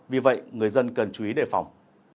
vì vậy người dân cần chú ý đề phòng